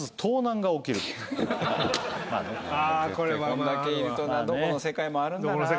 こんだけいるとなどこの世界もあるんだな。